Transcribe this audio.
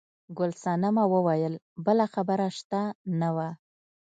ګل صنمه وویل بله خبره شته نه وه.